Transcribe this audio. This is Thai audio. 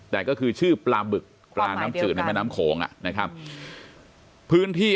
แต่ก็คือชื่อปลาบึกปลาน้ำจืดในแม่น้ำโขงอ่ะนะครับพื้นที่